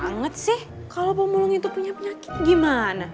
males banget sih kalo pemulung itu punya penyakit gimana